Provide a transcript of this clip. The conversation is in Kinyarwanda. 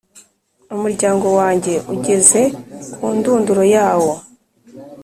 umuryango wanjye, ugeze ku ndunduro yawo